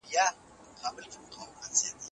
ګوره په دعا كي يـــك هزار راتـــه وسـاته